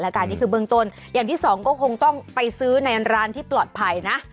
แล้วกันนี่คือเบื้องต้นอย่างที่สองก็คงต้องไปซื้อในร้านที่ปลอดภัยนะ